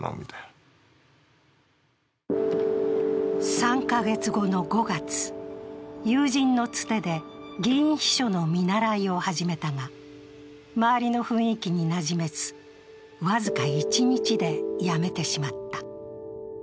３カ月後の５月、友人のつてで議員秘書の見習いを始めたが周りの雰囲気になじめず、僅か１日で辞めてしまった。